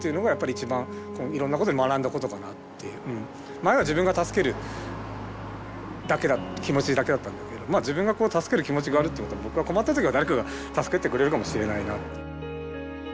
前は自分が助ける気持ちだけだったんだけど自分が助ける気持ちがあるっていうことは僕が困った時は誰かが助けてくれるかもしれないなって。